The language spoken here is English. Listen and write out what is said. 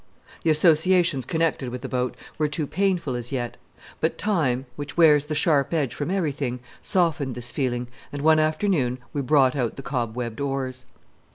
The associations connected with the boat were too painful as yet; but time, which wears the sharp edge from everything, softened this feeling, and one afternoon we brought out the cobwebbed oars.